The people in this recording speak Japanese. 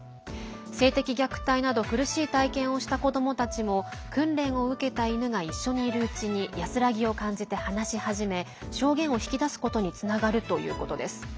性的虐待など苦しい体験をした子どもたちも訓練を受けた犬が一緒にいるうちに安らぎを感じて話し始め証言を引き出すことにつながるということです。